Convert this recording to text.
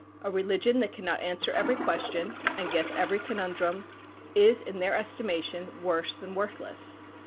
A religion that cannot answer every question, and guess every conundrum is, in their estimation, worse than worthless.